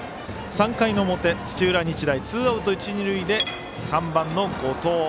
３回の表土浦日大、ツーアウト、一二塁で３番の後藤。